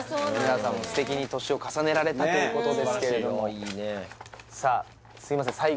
皆さんも素敵に歳を重ねられたということですけれどもさあすいません